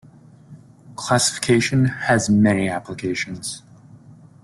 Classification has many applications.